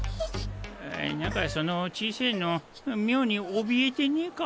何かその小せぇの妙に怯えてねえか？